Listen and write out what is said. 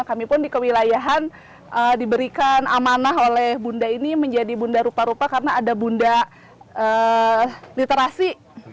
kami pun di kewilayahan diberikan amanah oleh bunda ini menjadi bunda rupa rupa karena ada bunda literasi